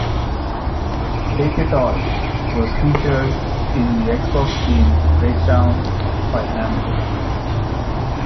"Take it All" was featured in the Xbox game "Breakdown" by Namco.